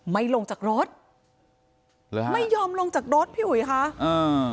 ไม่ลงจากรถเหรอฮะไม่ยอมลงจากรถพี่อุ๋ยค่ะอ่า